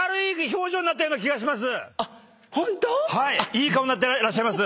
ホント⁉いい顔になってらっしゃいます。